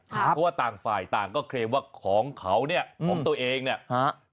เพราะว่าต่างฝ่ายต่างก็เคลมว่าของเขาเนี่ยของตัวเองเนี่ยฮะ